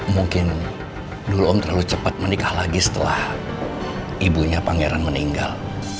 mungkin dulu om terlalu cepat menikah lagi setelah ibunya pangeran meninggal